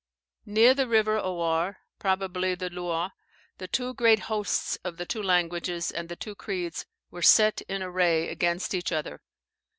Near the river Owar, [Probably the Loire.] the two great hosts of the two languages and the two creeds were set in array against each other.